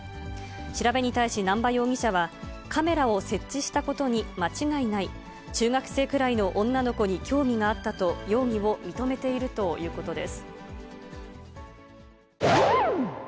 調べに対し、難波容疑者は、カメラを設置したことに間違いない、中学生くらいの女の子に興味があったと、容疑を認めているということです。